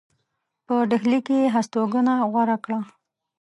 په ډهلي کې یې هستوګنه غوره کړه.